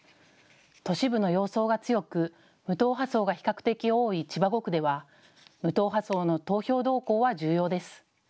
都市部の様相が強く無党派層が比較的多い千葉５区では無党派層の投票動向は重要です。